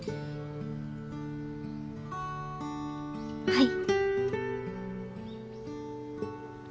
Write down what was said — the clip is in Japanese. はい。